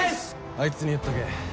あいつに言っとけ。